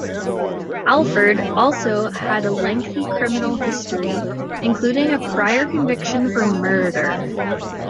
Alford also had a lengthy criminal history, including a prior conviction for murder.